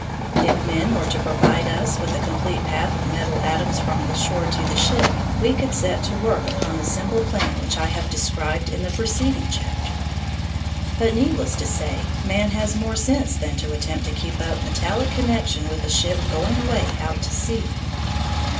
If men were to provide us with a complete path of metal atoms from the shore to the ship, we could set to work upon the simple plan which I have described in the preceding chapter. But, needless to say, man has more sense than to attempt to keep up metallic connection with a ship going away out to sea.